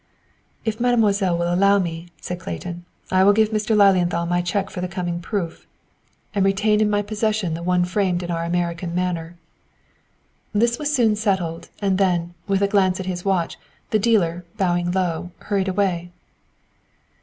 "If Mademoiselle will allow me," said Clayton, "I will give Mr. Lilienthal my cheque for the coming proof, and retain in my possession the one framed in our American manner." This was soon settled, and then, with a glance at his watch, the dealer, bowing low, hurried away.